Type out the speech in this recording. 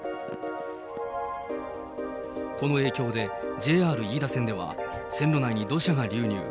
この影響で、ＪＲ飯田線では、線路内に土砂が流入。